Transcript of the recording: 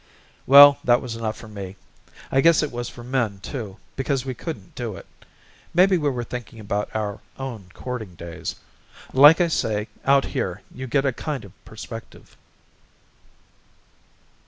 Well, that was enough for me. I guess it was for Min, too, because we couldn't do it. Maybe we were thinking about our own courting days. Like I say, out here you get a kind of perspective.